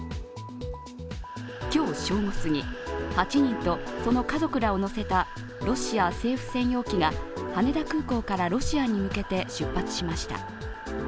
今日正午すぎ、８人とその家族らを乗せたロシア政府専用機が羽田空港からロシアに向けて出発しました。